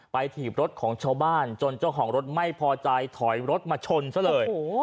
ถีบรถของชาวบ้านจนเจ้าของรถไม่พอใจถอยรถมาชนซะเลย